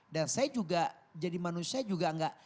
dan saya juga jadi manusia juga enggak